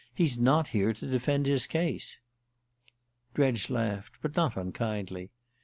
He's not here to defend his case." Dredge laughed, but not unkindly.